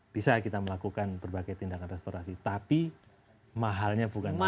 bisa kita melakukan berbagai tindakan restorasi tapi mahalnya bukan masalah